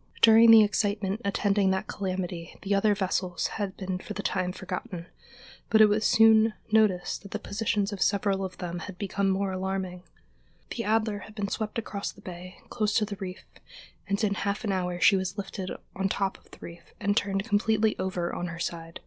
] During the excitement attending that calamity the other vessels had been for the time forgotten, but it was soon noticed that the positions of several of them had become more alarming. The Adler had been swept across the bay, close to the reef, and in half an hour she was lifted on top of the reef and turned completely over on her side.